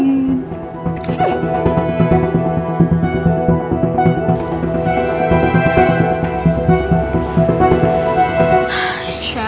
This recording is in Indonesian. emang enak dimarahin